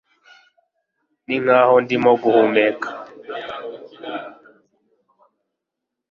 ninkaho ndimo guhumeka